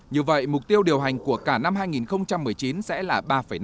như vậy mục tiêu điều hành của cả năm hai nghìn một mươi chín sẽ là ba năm